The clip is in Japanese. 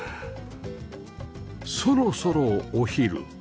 そろそろお昼